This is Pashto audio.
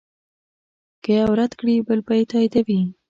که یو رد کړې بل به یې تاییدوي.